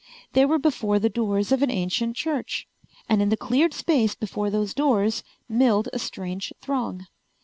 They were before the doors of an ancient church. And in the cleared space before those doors milled a strange throng.